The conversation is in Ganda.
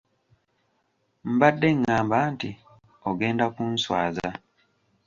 Mbadde ng'amba nti ogenda kunswaza.